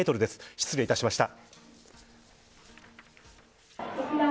失礼いたしました。